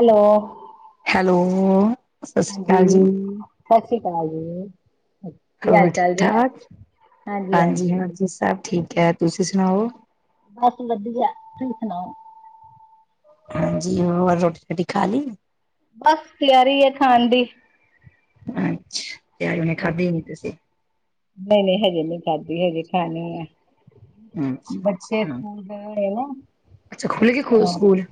Hello- hello- ਸਤਿ ਸ੍ਰੀ ਅਕਾਲ ਜੀ। ਹਾਂਜੀ ਸਤਿ ਸ੍ਰੀ ਅਕਾਲ ਜੀ- ਕੀ ਹੋਰ ਹਾਲ ਠੀਕ ਚਾਲ ਜੇ? ਠਾਕ ਹਾਂਜੀ ਹੋਰ ਜੀ ਸਭ ਠੀਕ ਹੈ। ਤੁਸੀਂ ਸੁਣਾਓ- ਬਸ ਵਧੀਆ ਤੁਸੀਂ ਸੁਣਾਓ। ਹਾਂਜੀ ਹੋਰ ਰੋਟੀ ਰੁਟੀ ਖਾਲੀ? ਬਸ ਤਿਆਰੀ ਐ ਖਾਣ ਦੀ। ਅੱਛ [unintelligible] ਖਾਦੀ ਨੀ ਤੁਸੀਂ ਨਈ-ਨਈ ਹਜੇ ਨੀ ਖਾਦੀ ਹਜੇ ਖਾਣੀ ਐ ਬੱਚੇ ਅੱਛਾ-ਅੱਛਾ, ਅੱਛਾ ਸਕੂਲ [unintelligible] ਸਕੂਲ ਗਏ ਨਾ ਅੱਛਾ ਖੁੱਲਗੇ ਖ ਸਕੂਲ?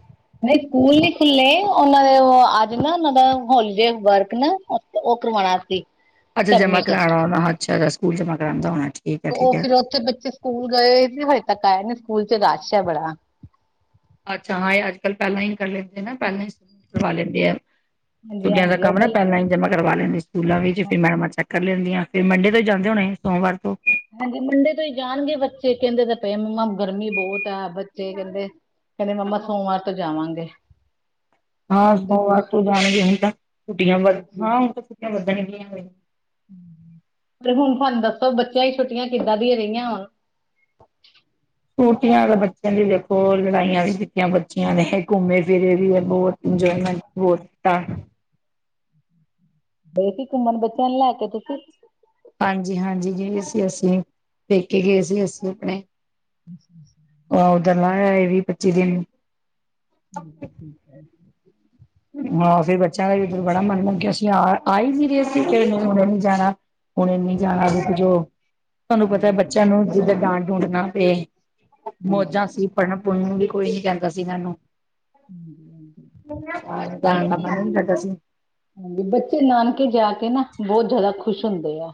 ਨਈ ਸਕੂਲ ਨੀ ਖੁੱਲੇ ਓਨਾਂ ਦੇ ਅੱਜ ਨਾ ਓਨਾਂ ਦਾ ਹੋਲੀਡੇ ਵਰਕ ਨਾ ਤੇ ਓ ਕਰਵਾਇਆ ਸੀ। ਅੱਜ ਜਮਾ ਸਬਮਿਟ। ਕਰਾਣਾ ਓਨਾ ਅੱਛਾ ਜਾ ਸਕੂਲ ਜਮਾ ਕਰਾਣ ਜਾਨਾ ਅੱਜ। ਤੇ ਓ ਫਿਰ ਉੱਥੇ ਬੱਚੇ ਸਕੂਲ ਗਏ ਸੀ ਹਜੇ ਤੱਕ ਆਏ ਨੀ ਸਕੂਲ ਚ ਰਸ਼ ਐ ਬੜਾ। ਅੱਛਾ ਹਾਂ ਏ ਅੱਜ ਕੱਲ੍ਹ ਪੈਲਾਂ ਈ ਕਰ ਲੈਂਦੇ ਨਾ ਪੈਲਾਂ ਹੀ ਸ ਕਰਵਾ ਲੈਂਦੇ ਐ। ਹਾਂਜੀ ਛੁਟੀਆਂ ਦਾ ਹਾਂਜੀ ਉਹ ਕੰਮ ਨਾ ਪਹਿਲਾਂ ਹੀ ਜਮਾਂ ਕਰਵਾ ਲੈਂਦੇ ਸਕੂਲਾਂ ਵਿਚ ਫਿਰ ਮੈਡਮਾਂ 'ਚ- ਕਰ ਲੈਂਦੀਆਂ ਫਿਰ ਮੰਡੇ ਤੋਂ ਹੀ ਜਾਂਦੇ ਹੋਣੇ ਸੋਮਵਾਰ ਤੋ ਹਾਂਜੀ ਮੰਡੇ ਤੋਂ ਹੀ ਜਾਣਗੇ ਬੱਚੇ ਕਹਿਦੇ ਤਾਂ ਪਏ ਮੰਮਾ ਗਰਮੀ ਬਹੁਤ ਘਰ ਬੱਚੇ ਕਹਿੰਦੇ ਕਹਿੰਦੇ ਮੰਮਾ ਸੋਮਵਾਰ ਤੋਂ ਜਾਵਾਂਗੇ ਹਾਂ ਹੁਣ ਸੋਮਵਾਰ ਦੇਖੋ ਤੋਂ ਜਾਣਗੇ ਹੁਣ ਤਾਂ ਛੁਟੀਆਂ ਵੱਧ ਹਾਂਜੀ ਹਾਂ ਹੁਣ ਤਾਂ ਛੁੱਟੀਆਂ ਵੱਧਣਗਈਆਂ ਹੋ ਤੇ ਹੁਣ ਤੁਹਾਨੂੰ ਦੱਸੋ ਬੱਚਿਆਂ ਹੀ ਛੁੱਟੀਆਂ ਕਿੱਦਾਂ ਦੀਆਂ ਰਹੀਆਂ ਹੁਣ ਛੁੱਟੀਆਂ ਤਾਂ ਬੱਚਿਆਂ ਦੀ ਦੇਖੋ ਲੜਾਈਆਂ ਵੀ ਕੀਤੀਆਂ ਬੱਚੀਆਂ ਨੇ ਇਹ ਘੁੰਮੇ ਫਿਰੇ ਵੀ ਹੈ। ਬਹੁਤ ਇੰਜੋਏਮੈਂਟ ਹੋਹੁ- ਗਏ ਸੀ ਘੁੰਮਣ ਬੱਚਿਆਂ ਨੂੰ ਲੈ ਕੇ ਤੁਸੀ ਹਾਂਜੀ ਹਾਂਜੀ ਗਏ ਸੀ ਅਸੀ ਪੇਕੇ ਗਏ ਸੀ ਅਸੀ ਆਪਣੇ ਅੱ [unintelligible] ਲਆ ਇਹ ਵੀਹ- ਪੱਚੀ ਦਿਨ। ਠੀਕ- ਠੀਕ ਹੈ। ਹਾਂ। ਫੇਰ ਬੱਚਿਆਂ ਦਾ ਵੀ ਉਧਰ ਬੜਾ ਮੰਨ ਲਗ ਗੇਸੀ ਅਸੀ ਆ- ਆ ਹੀ ਨੀ ਰਹੇ ਸੀ ਨੀ ਜਾਣਾ। ਹੁਣ ਇਨੀ ਜਾਣਾ ਰੁਕ ਜਾਓ। ਤੁਹਾਨੂੰ ਪਤਾ ਹਾਂਜੀ ਬੱਚਿਆਂ ਨੂੰ ਡਾਂ-ਡ ਡੂੰਡ ਨਾ ਪਏ। ਹਾਂਜੀ ਮੌਜਾਂ ਸੀ ਪੜਨ- ਪੁੜਨ ਵੀ ਕੋਈ ਨੀ ਕਹਿੰਦਾ ਸੀ ਇਹਨੂੰ। ਹੂ- ਹੂ ਜਾਣ ਦਾ ਬੱਚੇ ਮਨ ਦੇ। ਨੀ ਕਰਦਾ ਸੀ। ਹਾਂਜੀ। ਬੱਚੇ ਨਾਨਕੇ ਜਾ ਕੇ ਨਾ ਬਹੁਤ ਜ਼ਿਆਦਾ ਖੁਸ਼ ਹੁੰਦੇ ਆ।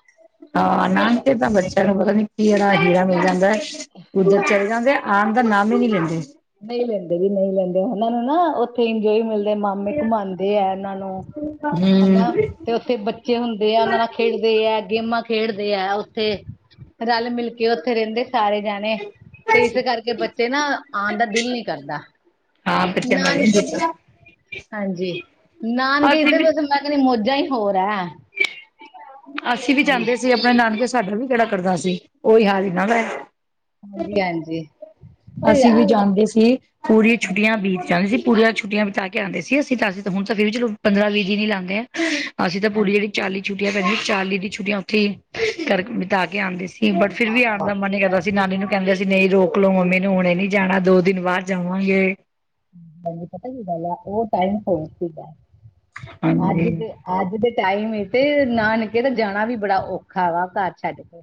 ਹਾਂ। ਇੱਕ ਨਾਨਕੇ ਤਾਂ ਬੱਚਿਆਂ ਨੂੰ ਪਤਾ ਨੀ ਕੀਹੜਾ ਹੀਰਾ ਮਿਲ ਜਾਂਦਾ। ਕੁਦਰ 'ਚ- ਕਹਿਦੇ ਆਉਣ ਦਾ ਨਾਮ ਹੀ ਨਹੀ ਲੈਦੇ। ਨਹੀ ਲੈਦੇ ਜੀ, ਨਹੀ ਲੈਂਦੇ। ਉਹਨਾਂ ਨੂੰ ਨਾ ਉਥੇ ਇੰਜੋਏ ਮਿਲ ਮਾਮੇ ਘੁਮਾਉਦੇ ਆ ਇਹਨਾਂ ਨੂੰ ਹਨਾ। ਹੂੰ ਤੇ ਉਥੇ ਬੱਚੇ ਹੁੰਦੇ ਆ ਉਹਨਾਂ ਨਾਲ ਖੇਡਦੇ ਹੈ। ਗੇਮਾਂ ਖੇਡਦੇ ਹੈ। ਉਥੇ ਰਲ- ਮਿਲ ਕੇ ਉਥੇ ਰਹਿੰਦੇ ਸਾਰੇ ਜਾਣੇ। ਤੇ ਇਸ ਕਰਕੇ ਬੱਚੇ ਨਾ ਆਉਣ ਦਾ ਦਿਲ ਨੀ ਕਰਦਾ। ਹਾਂ। ਬੱਚੇ ਮੈ ਕਿਹਾ ਨਾਨਕੇ ਸੁਤੇ ਦੀ ਹੈ। ਹਾਂਜੀ। ਨਾਨਕੇ ਤੇ ਮੈ ਕਿਹਾ, ਮੌਜਾਂ ਹੀ ਹੋਰ ਹੈ। ਅਸੀ ਵੀ ਹਾਂਜੀ ਜਾਦੇ ਸੀ ਆਪਣੇ ਨਾਨਕੇ ਸਾਡਾ ਵੀ ਕਿਹੜਾ ਕਰਦਾ ਸੀ। ਉਹੀ ਹਾਲ ਇਹਨਾਂ ਦਾ। ਹਾਂਜੀ- ਹਾਂਜੀ। ਤੇ ਅਸੀਂ ਵੀ ਯਾਰ ਜਾਂਦੇ ਸੀ। ਪੂਰੀਆਂ ਹਾਂਜੀ ਛੁੱਟੀਆਂ ਬੀਤ ਜਾਂਦੇ ਸੀ। ਪੂਰੀਆਂ ਛੱਟੀਆਂ ਬਿਤਾ ਕੇ ਆਉਂਦੇ ਸੀ ਅਸੀਂ ਤਾਂ ਅਸੀਂ ਹੁ ਤਾਂ ਫਿਰ ਵੀ ਚਲੋ ਪੰਦਰਾਂ- ਵੀਹ ਦਿਨ ਲਉਦੇ ਆ। ਅਸੀਂ ਤਾਂ ਪੂਰੀ ਹਾਂਜੀ ਜਿਹੜੀ ਚਾਲੀ ਛੁੱਟੀਆਂ ਪਹਦੀ। ਚਾਲੀ ਦੀ ਛੁੱਟੀਆਂ ਉੱਥੇ ਕਰ ਬਿਤਾ ਕੇ ਆਉਂਦੇ ਸੀ। ਬਟ ਫਿਰ ਵੀ ਆਉਣ ਦਾ ਮਨ ਹਾਂਜੀ ਹੀ ਕਰਦਾ ਸੀ ਨਾਨੀ ਨੂੰ ਕਹਿੰਦੇ ਅਸੀਂ ਨਹੀਂ ਰੋਕ ਲਓ ਮੰਮੀ ਨੂੰ। ਹੁਣੇ ਨੀ ਜਾਣਾ ਦੋ ਦਿਨ ਬਾਅਦ ਜਾਵਾਂਗੇ। ਪਤਾ ਕੀ ਗ ਉਹ ਟਾਈਮ ਹੋਰ ਸੀਗਾ। ਅੱਜ ਹਾਂਜੀ ਦੇ ਅੱਜ ਦੇ ਟਾਈਮ ਤੇ ਨਾਨਕੇ ਤਾਂ ਜਾਣਾ ਵੀ ਬੜਾ ਔਖਾ ਵਾ ਘਰ ਛੱਡ ਕੇ।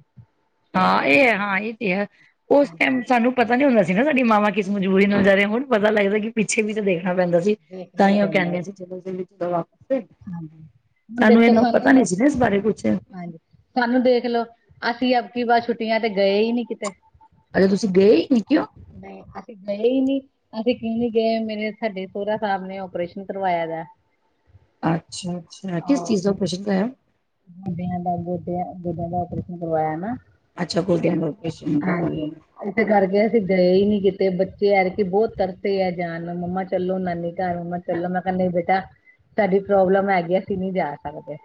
ਹਾਂ। ਇਹ ਹੈ ਹਾਂ ਇਹ ਤੇ ਹੈ। ਉਸ ਹਾਂਜੀ, ਟਾਈਮ ਸਾਨੂੰ ਪਤਾ ਨੀ ਹੁੰਦਾ ਸੀ ਨਾ ਸਾਡੀ ਮਾਵਾਂ ਕਿਸ ਮਜਬੂਰੀ ਨੂੰ ਜਾ ਰਿਹਾ ਹੁਣ ਪਤਾ ਲੱਗਦਾ ਕਿ ਪਿੱਛੇ ਵੀ ਤਾਂ ਦੇਖਣਾ ਪੈਂਦਾ ਸੀ। ਤਾਂ ਦੇਖਣਾ ਹੀ ਉਹ ਪੈਂਦਾ ਕਹਿੰਦੇਆਂ ਸੀ। ਜਦੋਂ- ਹਾਂਜੀ ਹੁਣ ਸਾਨੂੰ ਦੇਖੋ ਇਹਨਾ ਪਤਾ ਨ ਸੀ ਨ ਬਾਰੇ ਕੁਛ। ਹਾਂਜੀ ਸਾਨੂੰ ਦੇਖ ਲੋਓ। ਅਸੀ ਅਬਕੀ ਬਾਰ ਛੁੱਟੀਆਂ ਤੇ ਗਏ ਹੀ ਨੀ ਕਿਤੇ। ਅਜੇ ਤੁਸੀ ਗਏ ਹੀ ਨਹੀ ਹੋ। ਕਿਂਉ ਨਹੀ, ਅਸੀ ਗਏ ਹੀ ਨਹੀ। ਅਸੀ ਕਿਉ ਨੀ ਗਏ ਮੇਨਰੇ ਸਾਡੇ ਸੋਹਰਾ ਸਾਹਿਬ ਨੇ ਆਪਓਪਰੇਸ਼ਨ ਕਰਵਾਇਆ ਦਾ। ਅਛਾ- ਅਛਾ। ਕਿਸ ਚੀਜ਼ ਦਾ ਓਪਛਸ਼ਨ ਕਰਾਇਆ। ਬੁਡਿਆਂ ਦਾ ਗੋਡਿਆਂ, ਗੋਡਿਆਂ ਦਾ ਓਪਰੇਸ਼ਨ ਕਰਵਾਇਆ ਨਾ। ਅਛਾ। ਗੋਡਿਆਂ ਦਾ ਓਪਰੇਸ਼ਨ ਕਰਵਾਨਾ ਕਰਵਾ ਲੇ ਹਾਂਜੀ ਨੇ। ਇਸੇ ਕਰਕੇ ਅਸੀ ਗਏ ਹੀ ਨੀ ਕੀਤੇ ਬੱਚੇ ਐਕਤੀ ਬਹੁਤ ਤੜਪੇ ਹੈ ਜਾਣ ਨੂੰ ਮੰਮਾ ਚੱਲੋ ਨਾਨੀ ਮੈਂ ਚੱਲੋ, ਮੈਂ ਕਿਹਾ, ਨਹੀ ਬੇਟਾ ਸਾਡੀ ਪ੍ਰੋਬਲਮ ਹੈਗੀ। ਅਸੀ ਨਹੀ ਜਾ ਸਕਦੇ।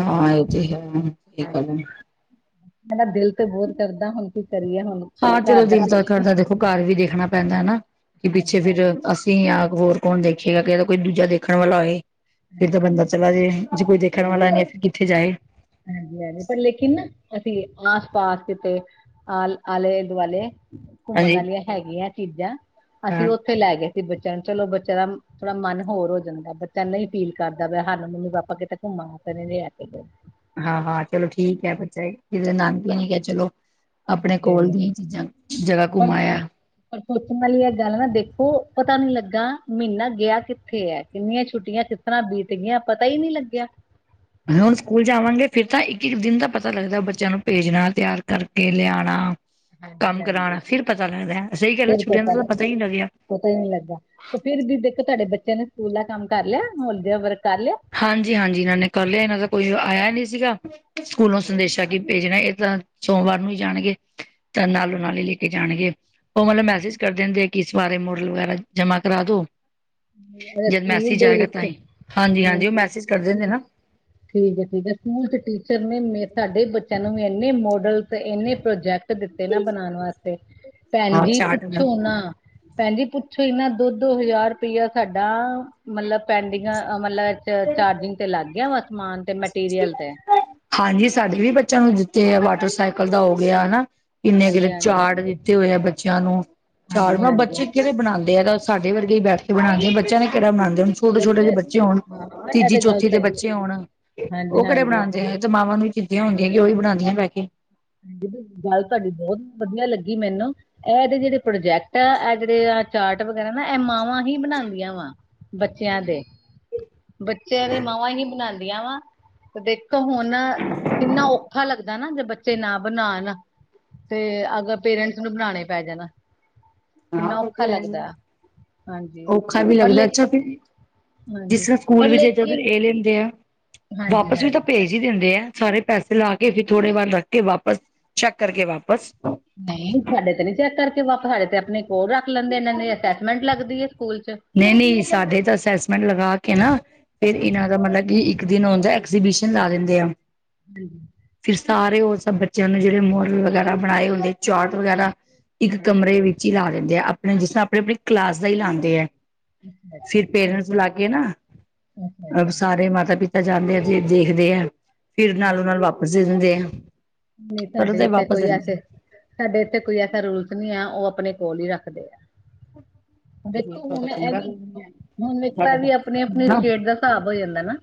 ਹਾਂ। ਇਹ ਤੇ ਹੈ। ਗੱਲ ਮੇਰਾ ਦਿਲ ਤੇ ਬਹੁਤ ਕਰਦਾ। ਹੁਣ ਕੀ ਕਰੀਏ ਹੁਣ। ਹਾਂ। ਚਲੋ, ਘਰ ਦਿਲ ਦਾ ਕਰਦਾ ਪਿੱਛਾ ਦੇਖੋ ਘਰ ਵੀ ਦੇਖਣਾ ਪੈਂਦਾ ਹਨਾ। ਕਿ ਪਿੱਛੇ ਹਾਂਜੀ ਫਿਰ ਅ ਹਾਂਜੀ ਤੁਸੀਂ ਆ ਹੋਰ ਕੌਣ ਦੇਖੀਏਗਾ ਕਿਦਾ ਕੋਈ ਦੂਜਾ ਦੇਖਣ ਵਾਲਾ ਹੋਏ। ਫਿਰ ਤਾਂ ਹਾਂਜੀ ਬੰਦਾ ਚਲਾ ਜੇੇ। ਕੋਈ ਦੇਖਣ ਹਾਂਜੀ ਵਾਲਾ ਨੀ ਫਿਰ ਕਿੱਥੇ ਜਾਏ। ਹਾਂਜੀ- ਹਾਂਜੀ ਪਰ ਲੇਕਿਨ ਅਸੀਂ ਆਸ- ਪਾਸ ਕਿਤੇ ਆਲ- ਆਲੇ ਦੁਆਲੇ ਘੁੰਮਣ ਹਾਂਜੀ ਵਾਲੀਆਂ ਹੈਗੀਆਂ ਚੀਜ਼ਾਂ। ਅਸੀਂ ਹਾਂ। ਉੱਥੇ ਲੈ ਗਏ ਸੀ ਬੱਚਿਆਂ ਨੂੰ। ਚਲੋ ਬੱਚਿਆਂ ਦਾ ਥੋੜਾ ਮਨ ਹੋਰ ਹੋ ਜਾਂਦਾ। ਬੱਚਿਆਂ ਨੂੰ ਹੀ ਅਪੀਲ ਕਰਦਾ ਪ ਸਾਨੂੰ ਮੰਮੀ -ਪਾਪਾ ਕਿਤੇ ਘੁੰਮਾ ਲੈ ਕੇ ਗਏ। ਹਾਂ- ਹਾਂ ਚਲੋ ਠੀਕ ਹੈ ਬੱਚਾ। ਕਿਸ ਨਨਦ ਵੀ ਨੀ ਕਿਹਾ ਚਲੋ ਆਪਣੇ ਕੋਲ ਦੀਆਂ ਚੀਜ਼ਾਂ ਜਗ੍ਹਾ ਪਰ ਘੁੰਮਾਇਆ। ਪਰ ਸੋਚਣ ਵਾਲੀ ਇਹ ਗੱਲ ਨਾ ਦੇਖੋ, ਪਤਾ ਨੀ ਲੱਗਾ ਮਹੀਨਾ ਗਿਆ ਕਿੱਥੇ ਹੈ। ਕਿੰਨੀਆਂ ਛੁੱਟੀਆਂ ਤਰ ਬੀਤ ਗਈ ਪਤਾ ਹੀ ਨਹੀਂ ਲੱਗਿਆ। [unintelligible] ਹੁਣ ਸਕੂਲ ਜਾਵਾਂਗੇ ਫੇਿਰ ਤਾਂ ਇੱਕ ਇੱਕ ਦਿਨ ਦਾ ਪਤਾ ਲੱਗਦਾ ਬੱਚਿਆਂ ਨੂੰ ਭੇਜਣਾ ਤਿਆਰ ਕਰਕੇ ਲਿਆਣਾ। ਹਾਂਜੀ ਕੰਮ ਕਰਾਣਾ ਹਾਂਜੀ ਫ਼ਿਰ ਪਤਾ ਲੱਗਦਾ ਸਹੀ ਗਲ ਆ ਛੁੱਟੀਆਂ ਦਾ ਤਾਂ ਪਤਾ ਹੀ ਨੀ ਲੱਗਿਆ। ਪਤਾ ਹੀ ਨੀ ਲੱਗਾ ਤੇ ਫਿਰ ਵੀ ਦੇਖੋ ਤੁਹਾਡੇ ਬੱਚਿਆਂ ਨੇ ਸਕੂਲ ਦਾ ਕੰਮ ਕਰ ਲਿਆ ਹੋਲੀਡੇ ਹੋਮਵਰਕ ਕਰ ਲਿਆ। ਹਾਂਜੀ ਹਾਂਜੀ ਇਹਨਾਂ ਨੇ ਕਰ ਲਿਆ ਇਹਨਾਂ ਦਾ ਕੋਈ ਆਇਆ ਨਹੀਂ ਸੀਗਾ। ਸਕੂਲੋਂ ਸੰਦੇਸ਼ਾਂ ਕੀ ਭੇਜਣਾ ਇਹ ਤਾਂ। ਸੋਮਵਾਰ ਨੂੰ ਹੀ ਜਾਣਗੇ ਤਾਂ ਨਾਲੋਂ ਨਾਲ ਹੀ ਲੈ ਕੇ ਜਾਣਗੇ ਉਹ ਮਤਲਬ ਮੈਸੇਜ ਕਰਦੇ ਨੇ। ਕਿਸ ਬਾਰੇ ਮੋਡਲ ਵਗੈਰਾ ਜਮ੍ਹਾਂ ਕਰਾ ਦੋ। ਲਿਆ ਜਦ ਮੈਸੀ ਸਕੂਲ ਦੇ ਜਾਏਗਾ ਵਿੱਚ ਤਾਂ ਹੀ ਹਾਂਜੀ ਹਾਂਜੀ। ਠੀਕ ਉਹ ਹੈ ਮੈਸੇਜ ਕਰ ਦਿੰਦੇ ਨਾ ਠੀਕ ਹੈ ਸਕੂਲ ਚ ਟੀਚਰ ਨੇ ਮੇ ਸਾਡੇੇ ਬਚ ਤੈਨੂੰ ਵੀ ਇੰਨੇ ਮੋਡਲ ਤੇ ਇੰਨੇ ਪ੍ਰੋਜੈਕਟ ਦਿੱਤੇ ਨਾ ਬਨਾਣ ਵਾਸਤੇ ਭੈਨ ਹਾਂ ਜੀ ਚਾਰਟ ਵਗੈਰਾ ਪੁੱਛੋ ਨਾ। ਭੈਨ ਜੀ ਪੁੱਛੋ ਹੀ ਨਾ ਦੁੱਧ ਹਜ਼ਾਰ ਰੁਪਇਆ ਸਾਡਾ ਮਤਲਬ ਪੈਂਡਿੰਗ ਮਤਲਬ ਚਾਰਜਿੰਗ ਤੇ ਲੱਗ ਗਿਆ ਵਾ ਸਮਾਨ ਤੇ ਮੈਟੀਰੀਅਲ ਤੇ। ਹਾਂਜੀ ਸਾਡੇ ਵੀ ਬੱਚਿਆਂ ਨੂੰ ਦਿੱਤੇ ਆ ਵਾਟਰਸਾਈਕਲ ਦਾ ਹੋ ਗਿਆ ਨਾ। ਕਿੰਨੇ ਕਿੰਨੇ ਹਾਂਜੀ ਹਾਂਜੀ ਚਾਟ ਦਿੱਤੇ ਹੋਏ ਆ ਬੱਚਿਆਂ ਨੂੰ ਚਾਟ ਹਾਂਜੀ ਮ ਹਾਂਜੀ ਬੱਚੇ ਕਿਹੜੇ ਬਣਾਦੇ ਆ ਦਸ। ਸਾਡੇ ਵਰਗੇ ਹੀ ਬੈਠ ਕੇ ਬਣਾਦੇ ਆ ਬੱਚਿਆਂ ਨੇ ਕਿਹੜਾ ਬਣਾਦੇ ਹੁ ਛੋਟੇ ਛੋਟੇ ਜਹੇ ਬੱਚੇ ਹੋਣ। ਹਾਂ ਇਹ ਤੀਜੀ ਤੇ ਗੱਲ ਚੌਥੀ ਦੇ ਸਹੀ ਹੈ ਬੱਚੇ ਹੋਣ ਹਾਂਜੀ ਉਹ ਕਿੜੇ ਹਾਂਜੀ ਬਣਾਦੇ ਹੈ ਇਹ ਤੇ ਮਾਵਾਂ ਨੂੰ ਵੀ ਜੇ ਹੁੰਦੀਆਂ ਉਹ ਹੀ ਬਣਾਦੀਆਂ ਬਹਿ ਕੇ। ਗੱਲ ਤੁਹਾਡੀ ਬਹੁਤ ਵਧੀਆ ਲੱਗੀ ਮੈਨੂੰ। ਇਹ ਏਦੇ ਜਿਹੜੇ ਪ੍ਰੋਜੈਕਟ ਆ ਇਹ ਜਿਹੜੇ ਚਾਰਟ ਵਗੈਰਾ ਨਾ ਇਹ ਮਾਵਾਂ ਹੀ ਬਣਾਦੀਆਂ ਵਾ। ਬੱਚਿਆਂ ਦੇ ਬੱਚਿਆਂ ਦੀ ਮਾਵਾਂ ਹੀ ਬਣਾਦੀਆਂ ਵਾ। ਦੇਖੋ ਹੁਨ ਕਿੰਨਾ ਔਖਾ ਲੱਗਦਾ ਨਾ ਜੇ ਬੱਚ ਤੇ ਨਾ ਬਨਾਣ ਤੇ ਅਗਰ ਪੇਰੈਂਟਸ ਨੂੰ ਬਨਾਣੇ ਪੈ ਜਾਣ। ਕਿੰਨਾ ਔਖਾ ਲੱਗਦਾ ਹਾਂਜੀ ਔਖਾ ਵੀ ਪਰ ਲੱਗਦਾ ਲੇ ਅੱਛਾ ਫ। ਜਿਸ ਹਾਂਜੀ ਤਰ੍ਹਾਂ ਸਕੂਲ ਪਰ ਵੀ ਜੇ ਜਬ ਲੇਕਿਨ ਇਹ ਲੈਂਦੇ ਆ ਹਾਂਜੀ ਵਾਪਸ ਵੀ ਤਾਂ ਹਾਂਜੀ ਭੇਜ ਭੇਜ ਹੀ ਦਿੰਦੇ ਆ ਸਾਰੇ ਪੈਸੇ ਲਾ ਕੇ ਫੇਰ ਥੋੜੇ ਵਾਰ ਰੱਖ ਕੇ ਵਾਪਸ ਚੈੱਕ ਕਰਕੇ ਵਾਪਸ। ਨਹੀਂ ਸਾਡੇ ਤੇ ਨੀ ਚੈੱਕ ਕਰਕੇ ਵਾਪਸ ਸਾਡੇ ਤੇ ਆਪਣੇ ਕੋਲ ਰੱਖ ਲੈਂਦੇ ਇਹਨਾਂ ਦੀ ਅਸੈਸਮੈਂਟ ਲੱਗਦੀ ਏ ਸਕੂਲ ਚ। ਨਹੀਂ ਨਹੀਂ ਸਾਡੇ ਤਾਂ ਅਸੈਸਮੈਂਟ ਲਗਾ ਕੇ ਨਾ ਫੇਿਰ ਇਹਨਾਂ ਦਾ ਹਾਂਜੀ ਮਤਲਬ ਕਿ ਇੱਕ ਦਿਨ ਹੋਂਦਾ ਐਕਜੀਬਿਸ਼ਨ ਲਾ ਦਿੰਦੇ ਆ। ਹਾਂਜੀ। [unintelligible] ਫਿਰ ਸਾਰੇ ਉਹ ਸਭ ਬੱਚਿਆਂ ਨੂੰ ਜਿਹੜੇ ਮੋਡਲ ਵਗੈਰਾ ਬਣਾਏ ਹੁੰਦੇ ਚਾਰਟ ਵਗੈਰਾ। ਇੱਕ ਕਮਰੇ ਵਿੱਚ ਹੀ ਲਾ ਦਿੰਦੇ ਆ, ਆਪਣੇ ਜਿਸ ਤਰ੍ਹਾਂ ਆਪਣੇ-ਆਪਣੀ ਕਲਾਸ ਦਾ ਹੀ ਲਾਂਦੇ ਏ। ਅੱਛਾ-ਅੱਛਾ ਫਿਰ ਪੇਰੈਂਟਸ ਠੀਕ ਐ, ਬੁਲਾਕੇ ਨਾ ਅਹ, ਅੱਛਾ-ਅੱਛਾ ਹੂੰ, ਸਾਰੇ ਮਾਤਾ ਪਿਤਾ। ਜਾਂਦੇ ਆ ਫਿਰ ਦੇਖਦੇ ਆ, ਫਿਰ ਨਾਲੋਂ ਨਾਲ ਵਾਪਿਸ ਦੇ ਦਿੰਦੇ ਆ। ਨਹੀਂ ਪਰ ਸਾਡੇ ਤੇ ਇੱਥੇ, ਵਾਪਸ ਕੋਈ ਦਿੰਦੇ ਐਸੇ। ਸਾਡੇ ਇੱਥੇ ਕੋਈ ਐਸਾ ਰੂਲਸ ਨਹੀਂ ਹੈ। ਉਹ ਅਪਣੇ ਕੋਲ ਹੀ ਰੱਖਦੇ ਆ। ਦੇਖੋ ਤੁਹਾਡਾ ਹੁਣ ਏ ਚੰਗਾ ਵੀ ਹੁਣ ਦੇਖੋ ਇਹ ਵੀ ਅਪਨੀ-ਅਪਨੀ ਸਟੇਟ ਦਾ ਹਿਸਾਬ ਹੋ ਜਾਂਦਾ ਨਾ।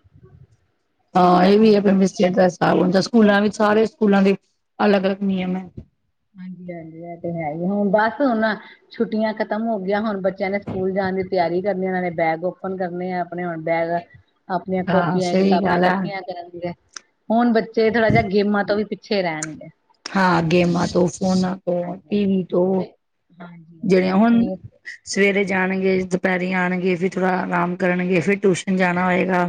ਹਾਂ ਇਹ ਵੀ ਆ, ਮਿੱਸ ਸਟੇਟਸ। [unintelligible] ਹਾ ਹੁੰਨ ਤਾਂ ਸਕੂਲਾਂ ਵਿੱਚ ਸਾਰੇ ਸਕੂਲਾਂ ਦੇ ਅਲੱਗ-ਅਲੱਗ ਨਿਯਮ ਏ। ਹਾਂਜੀ ਏ ਤੇ ਹੈ ਹੀ ਹੁਨ ਬਸ ਹੁਨ। ਛੁੱਟੀਆਂ ਖਤਮ ਹੋ ਗਈਆਂ ਹੁਣ ਬੱਚਿਆਂ ਨੇ ਸਕੂਲ ਜਾਣ ਦੀ ਤਿਆਰੀ ਕਰਨੀ ਨਾਲੇ ਬੈਗ ਓਪਨ ਕਰਨੇ ਆ। ਅਪਣੇ ਹੁਣ ਬੈਗ ਅਪਨੀਆਂ ਕੋਪੀਆਂ ਕਿਤਾਬਾਂ ਇਕੱਠੀਆਂ ਕਰਨਗੇ। ਹੁਣ ਬੱਚੇ ਥੋੜ੍ਹਾ ਜਿਹਾ ਗੇਮਾਂ ਤੋਂ ਵੀ ਪਿੱਛੇ ਰਹਿਣਗੇ। ਹਾਂ ਗੇਮਾਂ ਤੋਂ ਫੋਨਾਂ ਤੋਂ ਹਾਂਜੀ ਟੀ ਵੀ ਤੋਂ ਵੇ ਹਾਂਜੀ ਜਿਹੜੇ ਆ ਹਾਂਜੀ ਹੁਨ। ਸਵੇਰ ਸਵੇਰੇ ਜਾਣਗੇ, ਦੁਪਹਿਰੀ ਆਣਗੇ ਫਿਰ ਥੋੜਾ ਅਰਾਮ ਕਰਨਗੇ ਫੇਰ ਟਿਊਸ਼ਨ ਜਾਣਾ ਹੋਏਗਾ।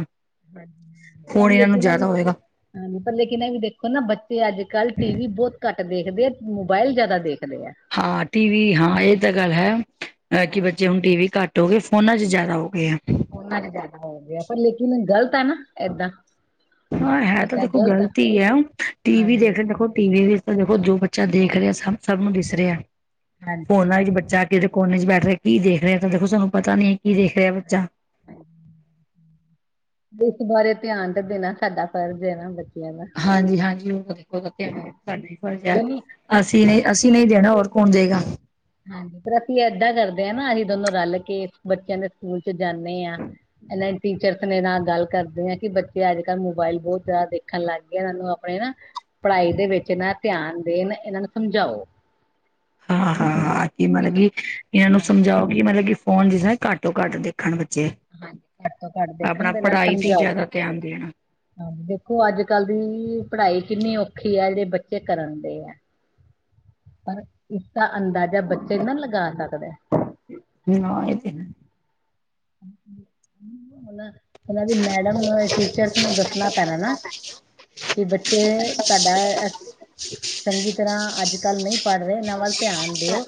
ਹਾਂਜੀ ਹਾਂਜੀ। ਪਰ ਹੋਣ ਇਹਨਾਂ ਨੂੰ ਲੇਕਿਨ ਇਹ ਜ਼ਿਆਦਾ ਵੀ ਹੋਏਗਾ। ਹਾਂਜੀ ਪਰ ਲੇਕਿਨ ਇਹ ਵੀ ਦੇਖੋ ਨਾ ਬੱਚੇ ਅੱਜ ਕੱਲ੍ਹ ਟੀ ਵੀ ਬਹੁਤ ਘੱਟ ਦੇਖਦੇ ਆ, ਮੋਬਾਇਲ ਜਿਆਦਾ ਦੇਖਦੇ ਆ। ਹਾਂ ਟੀ ਵੀ ਹਾਂ, ਇਹ ਤਾਂ ਗੱਲ ਹੈ ਅ ਕਿ ਬੱਚੇ। ਹਾਂਜੀ ਜੇ ਹੁਣ ਟੀ ਵੀ ਘੱਟ ਹੋ ਗਏ ਫੋਨਾ ਚ ਜ਼ਿਆਦਾ ਹੋ ਗਏ ਆ। ਫੋਨਾਂ ਚ ਜ਼ਿਆਦਾ ਹੋ ਗਿਆ ਪਰ ਲੇਕਿਨ ਗ਼ਲਤ ਆ ਨਾ। ਏਦਾਂ ਹਾਂ ਹੈ ਤਾਂ ਏਦਾਂ ਦੇਖੋ ਆ ਗ਼ਲਤ ਹੀ ਹੈ ਟੀ ਵੀ ਹਾਂਜੀ ਦੇਖਦੇ ਦੇਖੋ ਟੀ ਵੀ। ਦੇਖੋ ਜੋ ਬੱਚਾ ਦੇਖ ਰਿਹਾ ਸਭ ਨੂੰ ਦਿਸ ਰਿਹਾ ਹਾਂਜੀ ਫੋਨਾਂ ਵਿੱਚ ਬੱਚਾ। ਕਿ ਦੇ ਕੋਨੇ ਚ ਬੈਠ ਰਿਹਾ ਕੀ ਦੇਖ ਰਿਹਾ ਤਾਂ ਦੇਖੋ ਸਾਨੂੰ ਪਤਾ ਨੀ ਕੀ ਦੇਖ ਰਿਹਾ ਬੱਚਾ। ਹੈ ਲੋ। ਇਸ ਬਾਰੇ ਧਿਆਨ ਤੇ ਦੇਣਾ ਸਾਡਾ ਫਰਜ਼ ਹੈ ਨਾ ਬੱਚਿਆਂ ਦਾ। ਹਾਂਜੀ ਹਾਂਜੀ ਉਹ ਤਾ ਹਾਂ, ਸਾਡਾ ਹੀ ਫਰਜ਼ ਹੈ ਕੋਈ ਨੀ ਅਸੀਂ ਅ- ਨਹੀਂ ਅ- ਅਸੀਂ ਨਹੀਂ ਦੇਣਾ ਹੋਰ। ਕੌਣ ਜਏਗਾ। ਹਾਂਜੀ ਪਰ ਅਸੀਂ ਏਦਾਂ ਕਰਦੇ ਹਾਂ ਨਾ ਅਸੀਂ ਦੋਨੋਂ ਰਲ ਕੇ ਬੱਚਿਆਂ ਦੇ ਸਕੂਲ ਚ ਜਾਂਦੇ ਹਾਂ। ਇਹਨਾਂ ਟੀਚਰ ਦੇ ਨਾਲ ਗੱਲ ਕਰਦੇ ਆ ਕਿ ਬੱਚੇ ਅੱਜ ਕੱਲ੍ਹ ਮੋਬਾਇਲ ਬਹੁਤ ਜ਼ਿਆਦਾ ਦੇਖ। ਦੇਖਣ ਲੱਗ ਗਏ ਇਹਨਾਂ ਨੂੰ ਆਪਣੇ ਨਾ ਪੜ੍ਹਾਈ ਦੇ ਵਿੱਚ ਨਾ ਧਿਆਨ ਦੇਣ ਇਹਨਾਂ ਨੂੰ ਸਮਝਾਓ। ਹਾਂ ਹਾਂ ਹਨਾ ਹਾਂ ਕੀ ਇਹ ਸਭ ਮਰਗੀ। ਇਹਨਾਂ ਨੂੰ ਹਾਂਜੀ ਸਮਝਾਓ ਕਿ ਮਤਲਬ ਕਿ ਫੋਨ ਜ੍ਹਿਨਾਂ ਘਟੋ ਘੱਟ ਦੇਖਣ ਬੱਚੇ। ਹਾਂਜੀ ਘੱਟ ਤੋਂ ਘੱਟ ਦੇਖਣ ਅਪਣਾ ਦੇ ਨਾਲ ਪੜ੍ਹਾਈ ਤੇ ਸਮਝਾਓ ਜਿਆਦਾ ਧਿਆਨ ਦੇਣਾ। ਹਾਂਜੀ ਦੇਖੋ ਅੱਜ ਕੱਲ੍ਹ ਦੀ ਪੜ੍ਹਾਈ ਕਿੰਨੀ ਔਖੀ ਹੈ ਜਿਹੜੇ ਬੱਚੇ ਕਰਨ ਦੇ ਹੈ। ਪਰ ਇਸਦਾ ਅੰਦਾਜ਼ਾ ਬੱਚੇ ਨਾ ਲਗਾ ਸਕਦੇ। ਹਮ ਇਹਏ। ਉਹ ਉਹਨਾਂ ਦੀ ਮੈਡਮ ਨੂੰ ਟੀਚਰਸ ਨੂੰ ਦੱਸਣਾ ਪੈਣਾ ਨਾ ਕਿ ਬੱਚੇ ਤੁਹਾਡਾ ਚੰਗੀ ਤਰ੍ਹਾਂ ਅੱਜ ਕੱਲ੍ਹ ਨਹੀਂ ਪੜ੍ਹ ਰਹੇ ਇਹਨਾਂ ਵੱਲ ਧਿਆਨ ਦਿਓ।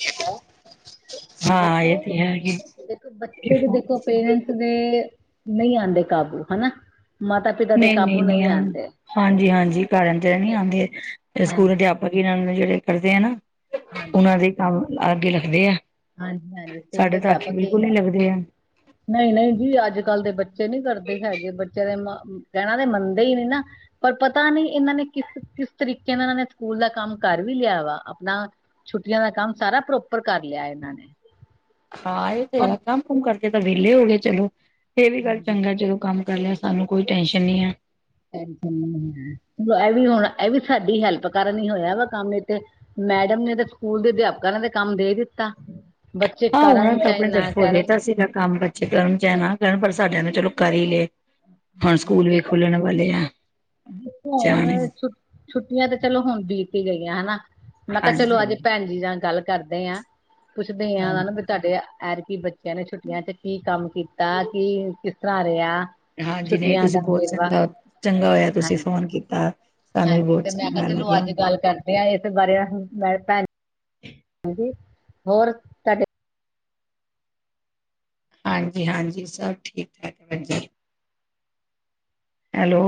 ਹਾਂ ਦੇਖੋ ਏਹ ਤੇ ਹੈਗੇ। ਦੇਖੋ ਬੱਚੇ ਵੀ ਦੇਖੋ ਪੇਰੈਂਟਸ ਦੇ ਨਹੀਂ ਆਂਦੇ ਕਾਬੂ ਹਨਾ ਮਾਤਾ। ਪਿਤਾ ਦੇ ਨਹੀਂ ਕਾਬੂ ਨਹੀਂ ਨਹੀਂ ਆਉਂਦੇ ਹਾਂਜੀ ਹਾਂਜੀ ਘਰਾਂ ਤੇ ਨੀ ਆਉਂਦੇ ਸਕੂਲ ਹਾਂਜੀ ਅਧਿਆਪਕ। ਭਗੀ ਜਿਹੜੇ ਕਰਦੇ ਆ ਨਾ ਹਾਂਜੀ ਉਹਨਾਂ ਦੇ ਕੰਮ ਅੱਗੇ ਲੱਖਦੇ ਆ। ਹਾਂਜੀ ਹਾਂਜੀ ਸਕੂਲ ਦੇ ਸਾਡੇ ਤਾਂ ਆਖੇ ਅਧਿਆਪਕ ਹੀ ਬਿਲਕੁਲ ਨੀ ਲੱਗਦੇ ਆ। ਨਹੀਂ ਨਹੀਂ ਜੀ ਅੱਜ ਕੱਲ ਦੇ ਬੱਚੇ ਨੀ ਕਰਦੇ ਹੈਗੇ ਬੱਚਿਆਂ ਦੇ ਕਹਿਣਾ ਦੇ ਮੰਨਦੇ ਹੀ ਨੀ ਨਾ ਪਰ ਪਤਾ ਨਹੀਂ ਇਹਨਾਂ ਨੇ ਕਿਸ ਕਿਸ ਤਰੀਕੇ ਨਾਲ ਇਹਨਾਂ ਨੇ ਸਕੂਲ ਦਾ ਕੰਮ ਕਰ ਵੀ ਲਿਆ ਵਾ ਆਪਣਾ। ਛੁੱਟੀਆਂ ਦਾ ਕੰਮ ਸਾਰਾ ਪ੍ਰੋਪਰ ਕਰ ਲਿਆ ਇਹਨਾਂ ਨੇ। ਹਾਂ ਇਹ ਤੇ ਹੈ ਪਰ ਕੰਮ ਕੁੁੰਮ ਕਰਕੇ ਤਾਂ ਵਿਹਲੇ ਹੋ ਗਏ ਚਲੋ ਇਹ ਵੀ ਗੱਲ ਚੰਗਾ ਜਦੋ ਕੰਮ। ਕਰੱਲਿਆ ਸਾਨੂੰ ਕੋਈ ਟੈਨਸ਼ਨ ਨੀ ਹੈ। ਇਹ ਵੀ ਹੁਣ ਇਹ ਵੀ ਸਾਡੀ ਹੈਲਪ ਕਾਰਨ ਹੋਇਆ ਵਾ ਕੰਮ ਐਥੇ। ਮੈਡਮ ਨੇ ਤਾਂ ਸਕੂਲ ਦੇ ਅਧਿਆਪਕਾਂ ਨੇ ਤਾਂ ਕੰਮ ਦੇ ਦਿੱਤਾ। ਬੱਚੇ ਹਾਂ ਉਹਣ ਕਰਨ ਤਾਂ ਚਾਹੇ ਆਪਣੇ ਨਾ ਤਰਫੋਂ ਕਰਨ ਦੇਤਾ ਸੀਗਾ ਕੰਮ ਬ। ਕਰਨ ਚ ਨਾ ਕਰਨ ਪਰ ਸਾਡਿਆਂ ਨਨੇ ਚਲੋ ਕਰ ਹੀ ਲਏ। ਹੁਣ ਸਕੂਲ ਹਾਂਜੀ ਵੀ ਖੁੱਲਣ ਵਾਲੇ ਆ ਹਾਂਜੀ ਫੋਣ ਜਾਣੇ ਛੁੱਟੀਆਂ ਤਾਂ ਚਲੋ ਹੁਣ ਬੀਤੀ ਹੀ ਗਈਆਂ ਹਨਾ। ਮੈਂ ਕਿਹਾ ਚਲੋ ਅੱਜ ਹਾਂਜੀ ਭੈਣ ਜੀ ਨਾਲ ਗੱਲ ਕਰਦੇ ਆ। ਪੁੱਛਦੇ ਆ ਹਾਂ ਵੀ ਤੁਹਾਡੇ ਐਰਕੀ ਬੱਚਿਆਂ ਨੇ ਛੁੱਟੀਆਂ ਚ ਕੀ ਕੰਮ ਕੀਤਾ ਕੀ। ਰਿਆ ਹਾਂਜੀ ਨਹੀਂ ਤੁਸੀਂ ਬਹੁਤ ਚੰਗਾ ਚੰਗਾ ਹੋਇਆ ਤੁਸੀਂ ਹਾਂਜੀ ਫੋਨ ਕੀਤਾ। ਸਾਨੂੰ ਵੀ ਹਾਂਜੀ ਬਹੁਤ ਤੇ ਮੈਂ ਕਿਹਾ ਚੰਗਾ ਚਲੋ ਲੱਗਿਆ ਅੱਜ ਗੱਲ ਕਰਦੇ ਹਾਂ ਇਸ ਬਾਰੇ ਮੈਂ ਭੈਣ। ਹਾਂਜੀ ਹੋਰ ਤੁਹਾਡੇ ਹਾਂਜੀ ਹਾਂਜੀ ਸਭ ਠੀਕ ਠਾਕ ਹੈ ਭੈਣਜੀ। ਹੈਲੋ।